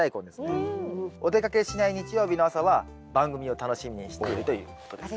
お出かけしない日曜日の朝は番組を楽しみにしているということですね。